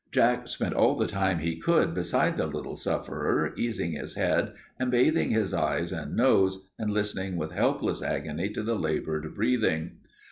Jack spent all the time he could beside the little sufferer, easing his head and bathing his eyes and nose, and listening with helpless agony to the labored breathing.